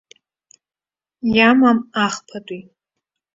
Иамам, ахԥатәи.